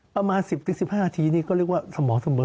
ประมาณ๑๐๑๕นาทีนี่ก็เรียกว่าสม่ำเสมอ